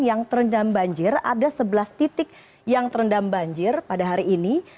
yang terendam banjir ada sebelas titik yang terendam banjir pada hari ini